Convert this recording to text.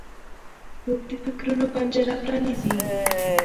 خوب د فکرونو پنجره پرانیزي